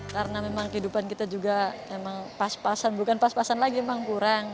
karena memang kehidupan kita juga pas pasan bukan pas pasan lagi memang kurang